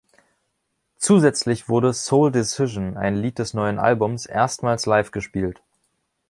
Zusätzlich wurde "Soul Decision", ein Lied des neuen Albums, erstmals live gespielt.